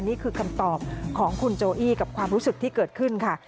นี่คือคำตอบของคุณโจอี้กับความรู้สึกที่เกิดขึ้นค่ะ